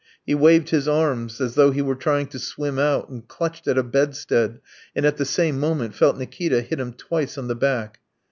He waved his arms as though he were trying to swim out and clutched at a bedstead, and at the same moment felt Nikita hit him twice on the back.